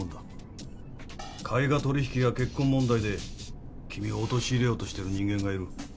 絵画取引や結婚問題で君を陥れようとしてる人間がいる。